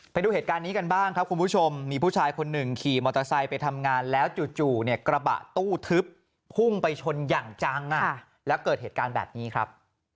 ไปดูเหตุการณ์นี้กันบ้างครับคุณผู้ชมมีผู้ชายคนหนึ่งขี่มอเตอร์ไซค์ไปทำงานแล้วจู่เนี่ยกระบะตู้ทึบพุ่งไปชนอย่างจังแล้วเกิดเหตุการณ์แบบนี้ครับ